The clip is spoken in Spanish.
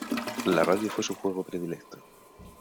La radio fue su juego predilecto.